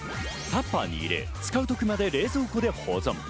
タッパーに入れ、使う時まで冷蔵庫で保存。